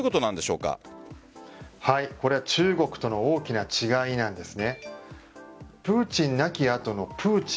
これはこれは中国との大きな違いなんです。